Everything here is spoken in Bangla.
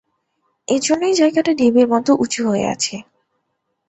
এজন্যই জায়গাটা ঢিবির মতো উঁচু হয়ে আছে।